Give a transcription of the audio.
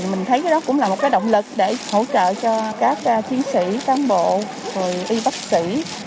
mình thấy đó cũng là một cái động lực để hỗ trợ cho các chiến sĩ cán bộ y bác sĩ